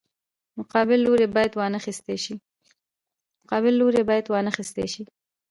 مقابل لوری باید وانخیستی شي.